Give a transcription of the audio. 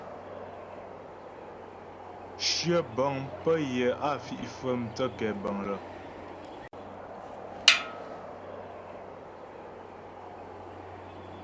Shyə bə̀ŋ pə́ yə á fi' fə̀'ə mthə́ kɛ̌bəŋ lə.